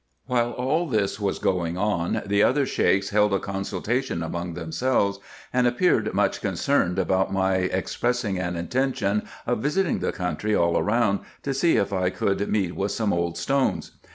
While all this was going on, the other Sheiks held a consultation among themselves, and appeared much concerned about my ex pressing an intention of visiting the country all round, to see if I could meet with some old stones.